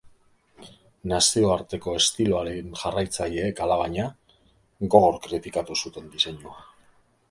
Nazioarteko estiloaren jarraitzaileek, alabaina, gogor kritikatu zuten diseinua.